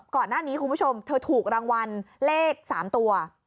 ก่อนหน้านี้คุณผู้ชมเธอถูกรางวัลเลข๓ตัว